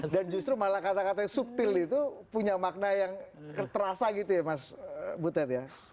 dan justru malah kata kata yang subtil itu punya makna yang terasa gitu ya mas butet ya